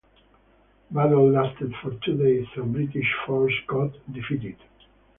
Battle lasted for two days and British force got defeated.